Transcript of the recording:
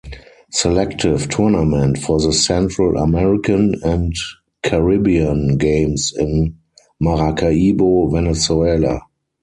Selective tournament for the Central American and Caribbean Games in Maracaibo, Venezuela.